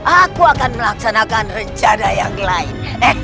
aku akan melaksanakan rencana yang lain